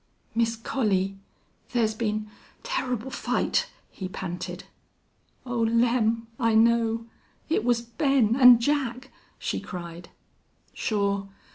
"Miss Collie, thar's been turrible fight!" he panted. "Oh, Lem!... I know. It was Ben and Jack," she cried. "Shore.